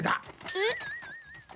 えっ？